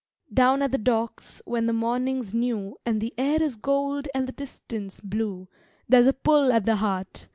Down at the docks when the morning's new And the air is gold and the distance blue, There's a pull at the heart!